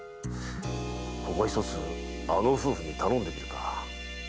ここはひとつあの夫婦に頼んでみるか。